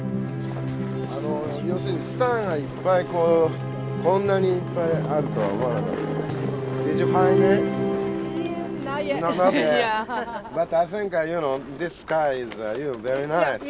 要するにスターがいっぱいこんなにいっぱいあるとは思わなかった。